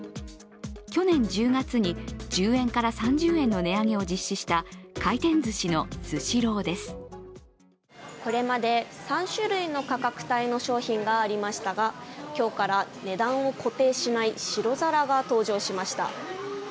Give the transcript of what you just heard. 去年１０月に１０円から３０円の値上げを実施したこれまで３種類の価格帯の商品がありましたが、今日から値段を固定しない白皿が登場しました。